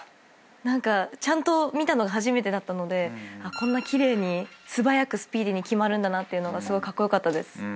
何かちゃんと見たのが初めてだったのでこんな奇麗に素早くスピーディーに決まるんだなっていうのがすごくカッコ良かったです。